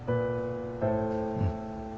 うん。